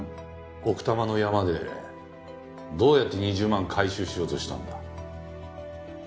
奥多摩の山でどうやって２０万回収しようとしたんだ。